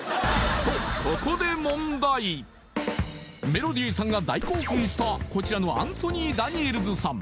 メロディーさんが大興奮したこちらのアンソニー・ダニエルズさん